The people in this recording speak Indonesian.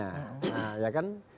nah ya kan